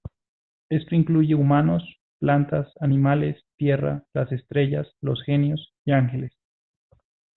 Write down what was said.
Esto incluye humanos, plantas, animales, tierra, las estrellas, los genios, y ángeles.